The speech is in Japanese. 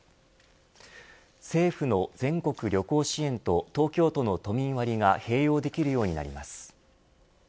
政府の全国旅行支援と東京都の都民割が併用できるようになります。